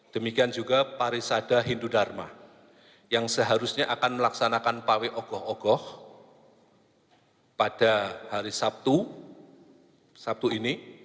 demikian juga parisada hindu dharma yang seharusnya akan melaksanakan pawai ogoh ogoh pada hari sabtu sabtu ini